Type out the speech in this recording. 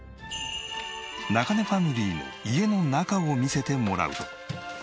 中根ファミリーの家の中を見せてもらうと。